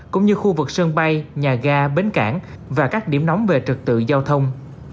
cũng như khu vực sân bay nhà ga bến cảng và các điểm nóng về trực tự giao thông